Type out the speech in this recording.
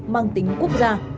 mang tính quốc gia